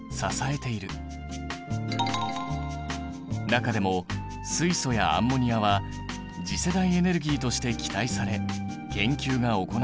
中でも水素やアンモニアは次世代エネルギーとして期待され研究が行われている。